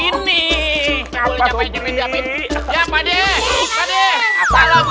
tidak ada solve